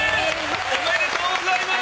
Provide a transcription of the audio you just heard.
おめでとうございます！